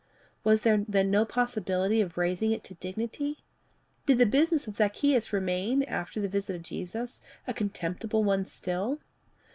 Was there then no possibility of raising it to dignity? Did the business of Zacchaeus remain, after the visit of Jesus, a contemptible one still?